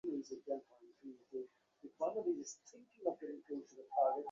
গোরার সঙ্গে তর্কে বিনয় যে জায়গায় আসিয়া পৌঁছিল পূর্বে সেখানে সে ছিল না।